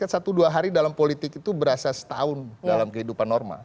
satu dua hari dalam politik itu berasa setahun dalam kehidupan normal